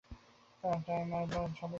তারা টাইমার সম্পর্কে জানে না।